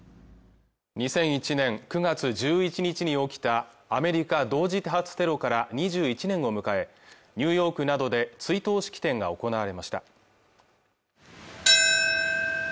２００１年９月１１日に起きたアメリカ同時多発テロから２１年を迎えニューヨークなどで追悼式典が行われました